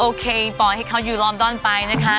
โอเคปล่อยให้เขาอยู่รอดอนไปนะคะ